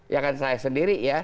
ya kan saya sendiri ya